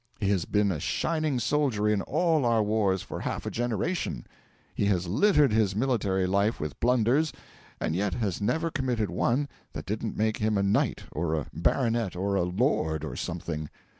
He has been a shining soldier in all our wars for half a generation; he has littered his military life with blunders, and yet has never committed one that didn't make him a knight or a baronet or a lord or something.